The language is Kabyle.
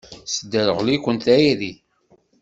Tesderɣel-iken tayri.